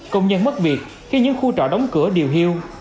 công nhân mất việc khi những khu trọ đóng cửa điều hưu